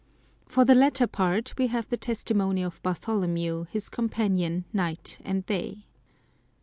For the latter part we have the testimony of Bartholomew, his companion night and day.